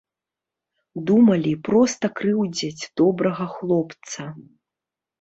Думалі, проста крыўдзяць добрага хлопца.